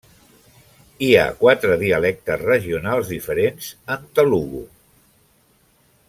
Hi ha quatre dialectes regionals diferents en telugu.